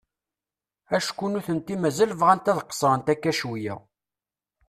Acku nutenti mazal bɣant ad qesrent akka cwiay.